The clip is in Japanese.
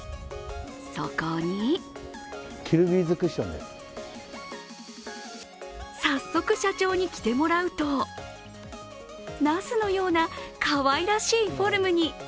そこに早速、社長に着てもらうとなすのようなかわいらしいフォルムに。